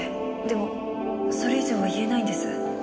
でもそれ以上は言えないんです。